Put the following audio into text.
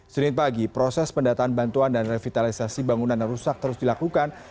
senin pagi proses pendataan bantuan dan revitalisasi bangunan yang rusak terus dilakukan